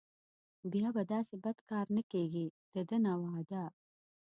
بیا به داسې بد کار نه کېږي دده نه وعده.